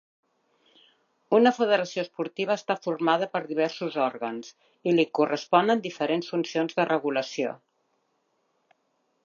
Una federació esportiva està formada per diversos òrgans i li corresponen diferents funcions de regulació.